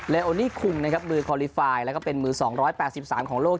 เลโอนี่คุงนะครับมือควอลิฟายแล้วก็เป็นมือสองร้อยแปดสิบสามของโลก